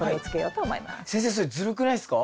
先生それずるくないすか？